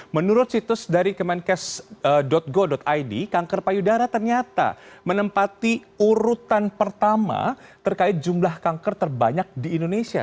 menurut situs dari kemenkes go id kanker payudara ternyata menempati urutan pertama terkait jumlah kanker terbanyak di indonesia